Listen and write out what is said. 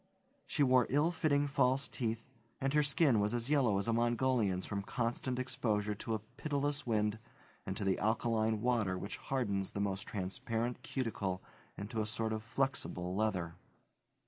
She wore ill fitting false teeth, and her skin was as yellow as a Mongolian's from constant exposure to a pitiless wind and to the alkaline water which hardens the most transparent cuticle into a sort of flexible leather.